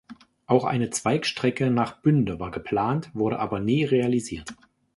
Auch eine Zweigstrecke nach Bünde war geplant, wurde aber nie realisiert.